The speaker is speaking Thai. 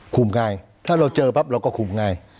ง่ายถ้าเราเจอปั๊บเราก็คุมง่าย